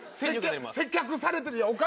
接客されてるやん。